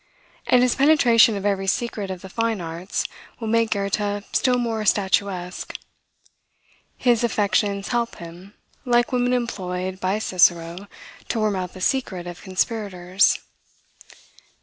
And his penetration of every secret of the fine arts will make Goethe still more statuesque. His affections help him, like women employed by Cicero to worm out the secret of conspirators.